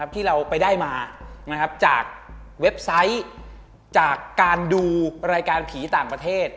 ที่เราไปได้มาจากเว็บไซต์จากการดูรายการผีต่างประเทศ